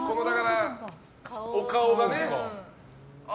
お顔がね。